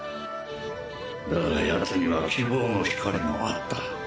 だがヤツには希望の光もあった。